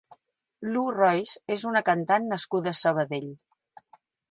Lu Rois és una cantant nascuda a Sabadell.